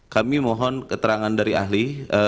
kami mohon keterangan dari ahli